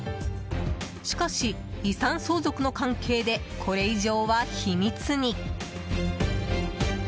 しかし、遺産相続の関係でこれ以上は秘密に。